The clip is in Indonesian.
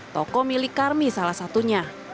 toko milik karmi salah satunya